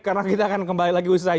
karena kita akan kembali lagi usai